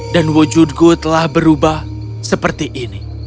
dan wujudku telah berubah seperti ini